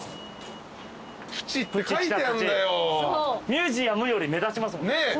「ミュージアム」より目立ちますもん。